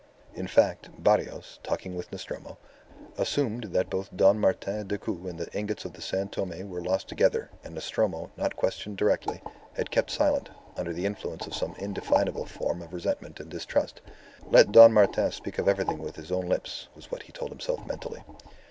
In fact, Barrios, talking with Nostromo, assumed that both Don Martin Decoud and the ingots of San Tome were lost together, and Nostromo, not questioned directly, had kept silent, under the influence of some indefinable form of resentment and distrust. Let Don Martin speak of everything with his own lips was what he told himself mentally.